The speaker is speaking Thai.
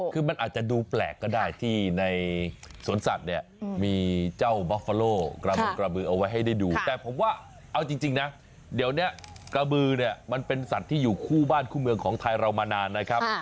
คือมันอาจจะดูแปลกก็ได้ที่ในสวนสัตว์เนี่ยมีเจ้าบัฟฟาโลกระบงกระบือเอาไว้ให้ได้ดูแต่ผมว่าเอาจริงนะเดี๋ยวนี้กระบือเนี่ยมันเป็นสัตว์ที่อยู่คู่บ้านคู่เมืองของไทยเรามานานนะครับ